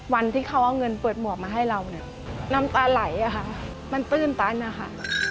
วันที่เขาเอาเงินเปิดหมวกมาให้เราเนี่ยน้ำตาไหลอะค่ะมันตื้นตันนะคะ